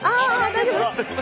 大丈夫？